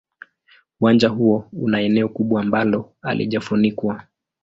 Uwanja huo una eneo kubwa ambalo halijafunikwa.